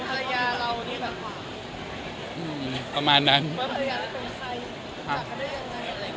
ภรรยาเราที่แบบอืมประมาณนั้นภรรยาเราเป็นใครครับ